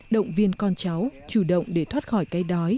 động viên con cháu chủ động để thoát khỏi cây đói